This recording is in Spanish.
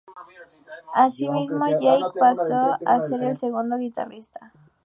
Asimismo, Jake pasó a ser el segundo guitarrista.